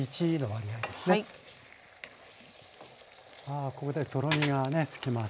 あここでとろみがねつきます。